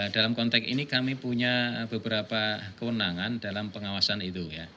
dalam konteks ini kami punya beberapa kewenangan dalam pengawasan itu